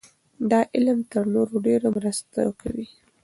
دا علم تر نورو ډېره مرسته کوي.